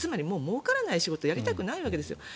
つまりもうからない仕事やりたくないんです。